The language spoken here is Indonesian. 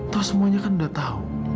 toh semuanya kan udah tahu